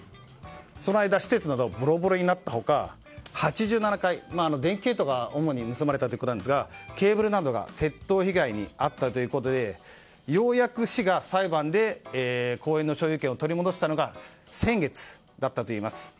その間、施設はボロボロになった他、８７回主に電気系統が盗まれたということですがケーブルなどが窃盗被害に遭ったということでようやく、市が裁判で公園の所有権を取り戻したのが先月だったといいます。